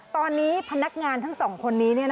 ตอนนี้พนักงานทั้งสองคนนี้